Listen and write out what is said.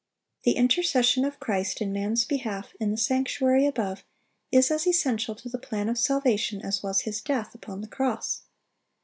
The intercession of Christ in man's behalf in the sanctuary above is as essential to the plan of salvation as was His death upon the cross.